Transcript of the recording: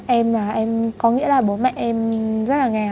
em là em có nghĩa là bố mẹ em rất là nghèo ấy